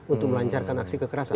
untuk melancarkan aksi kekerasan